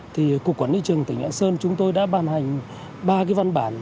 thì cục quản lý thị trường tỉnh lạng sơn chúng tôi đã ban hành ba cái văn bản